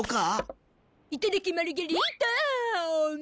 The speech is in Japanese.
いただきマルゲリタ！